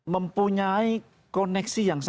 mempunyai koneksi yang sangat baik